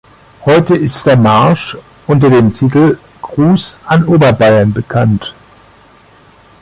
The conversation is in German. Heute ist der Marsch unter dem Titel "Gruß an Oberbayern" bekannt.